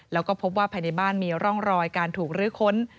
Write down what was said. แล้วก็พบว่าภายในบ้านมีร่องรอยการถูกรื้อค้น